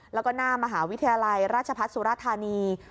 แล้วก็หน้ามหาวิทยาลัยราชพัฒน์สุรธานี